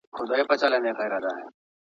آیا فلسفه تر منطق زړه ده؟